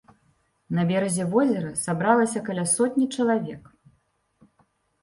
На беразе возера сабралася каля сотні чалавек.